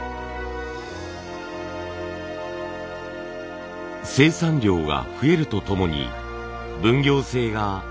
生産量が増えるとともに分業制が発達しました。